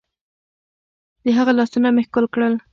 د هغه لاسونه مې ښکل کړل.